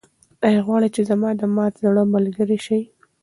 ایا غواړې چې زما د مات زړه ملګرې شې؟